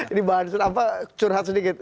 ini bahan apa curhat sedikit